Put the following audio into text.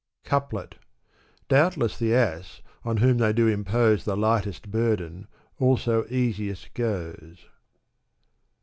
* Couplet, Doubtless the ass, on which they do impose The lightest burthen, also easiest goes.